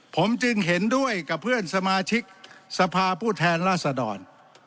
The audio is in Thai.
ผมจึงเห็นด้วยกับเพื่อนสมาชิกสภาผู้แทนราษดร